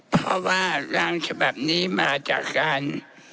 เพราะว่าร่างฉบับนี้มาจากการ